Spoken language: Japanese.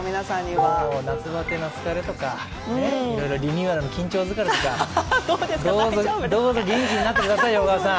夏バテの疲れとか、いろいろリニューアルの緊張疲れとか、どうぞ元気になってくださいよ、小川さん。